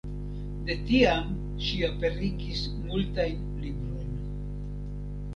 De tiam ŝi aperigis multajn librojn.